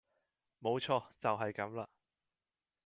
冇錯，就係咁啦